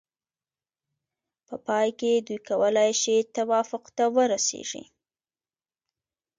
په پای کې دوی کولای شي توافق ته ورسیږي.